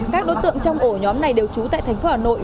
các đối tượng trong ổ nhóm này đều trú tại thành phố hà nội